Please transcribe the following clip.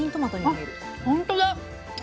あほんとだ。